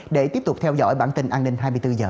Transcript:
để tiếp tục theo dõi bản tin an ninh hai mươi bốn h